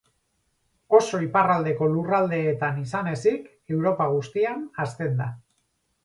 Oso iparraldeko lurraldeetan izan ezik Europa guztian hazten da.